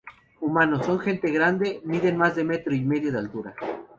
Humanos: Son gente grande, miden más de un metro y medio de altura.